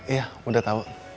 iya udah tahu